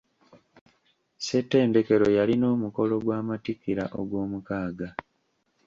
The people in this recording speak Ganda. Ssettendekero yalina omukolo gw'amattikira ogw'omukaaga.